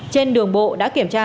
trên đường bộ đã kiểm tra